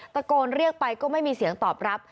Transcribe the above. ตะโกนเรียกไปก็ไม่มีเสียงตอบรับ